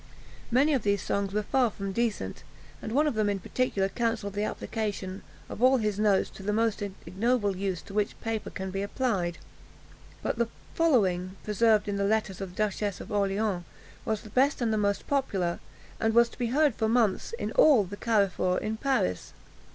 Many of these songs were far from decent; and one of them in particular counselled the application of all his notes to the most ignoble use to which paper can be applied. But the following, preserved in the letters of the Duchess of Orleans, was the best and the most popular, and was to be heard for months in all the carrefours in Paris.